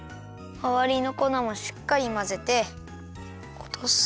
まわりのこなもしっかりまぜておとす。